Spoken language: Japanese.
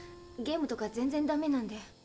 ゲームとか全然ダメなんで。